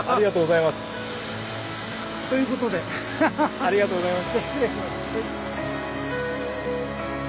ありがとうございます。